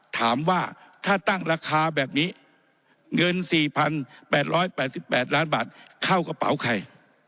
ถามว่าถ้าตั้งราคาแบบนี้เงิน๔๘๘ล้านบาทเข้ากระเป๋าใคร